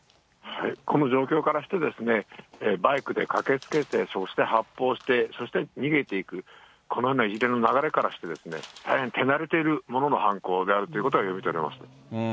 この状況からして、バイクで駆けつけて、そして発砲して、そして逃げていく、このような一連の流れからして、大変手慣れている者の犯行であるということが読み取れます。